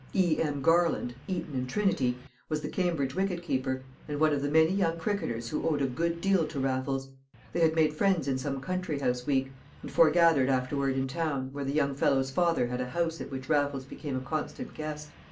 E.M. Garland (Eton and Trinity) was the Cambridge wicketkeeper, and one of the many young cricketers who owed a good deal to Raffles. They had made friends in some country house week, and foregathered afterward in town, where the young fellow's father had a house at which Raffles became a constant guest.